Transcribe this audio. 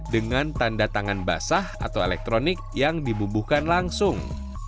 dengan tanda tangan basah atau elektronik yang dibubuhkan langsung